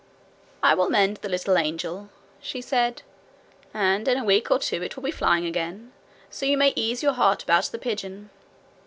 'I will mend the little angel,' she said, 'and in a week or two it will be flying again. So you may ease your heart about the pigeon.'